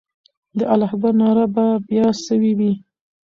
د الله اکبر ناره به بیا سوې وي.